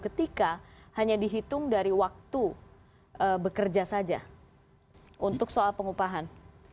ketika hanya dihitung dari waktu bekerja saja untuk soal pengupahan